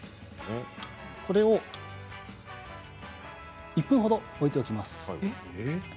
これを１分ほど置いておきます。